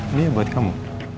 ini buat kamu